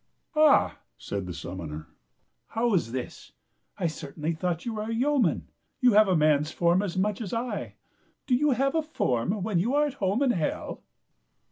"Ah," said the summoner, "how is this? I cer tainly thought you were a yeoman. You have a man's form as much as I. Do you have a form when you are at home in hell